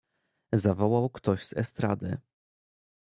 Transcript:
"zawołał ktoś z estrady."